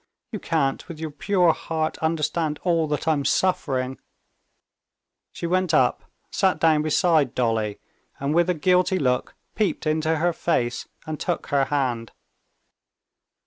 You can't with your pure heart understand all that I'm suffering." She went up, sat down beside Dolly, and with a guilty look, peeped into her face and took her hand.